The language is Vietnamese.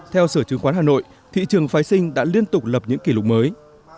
theo sở chứng khoán hà nội thị trường phái sinh đã liên tục lập những kỷ lục mới